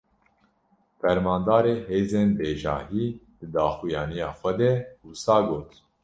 Fermandarê hêzên bejahî, di daxuyaniya xwe de wisa got: